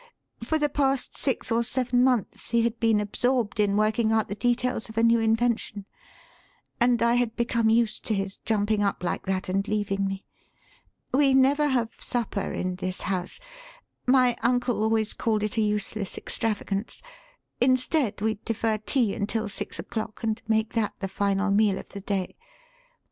For the past six or seven months he had been absorbed in working out the details of a new invention; and I had become used to his jumping up like that and leaving me. We never have supper in this house my uncle always called it a useless extravagance. Instead, we defer tea until six o'clock and make that the final meal of the day.